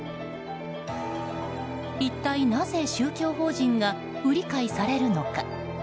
一体なぜ宗教法人が売り買いされるのか。